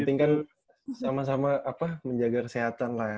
mendingan sama sama apa menjaga kesehatan lah ya